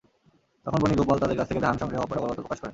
তখন বনি গোপাল তাঁদের কাছ থেকে ধান সংগ্রহে অপারগতা প্রকাশ করেন।